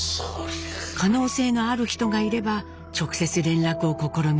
可能性がある人がいれば直接連絡を試みます。